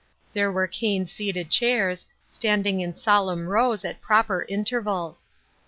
There were cane seated chairs, standing in solemn rows at proper intervals.